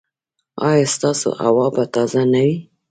ایا ستاسو هوا به تازه نه وي؟